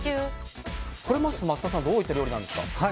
これは桝田さんどういう料理なんですか。